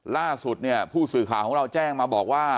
ล่าสุดเนี่ยผู้สื่อข่าวของเราแจ้งมาบอกว่า